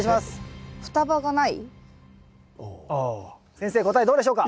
先生答えどうでしょうか？